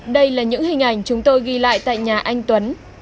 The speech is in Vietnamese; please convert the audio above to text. đây là những hình ảnh chúng tôi ghi lại tại nhà anh tuấn